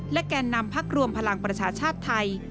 แก่นนำพักรวมพลังประชาชาติไทย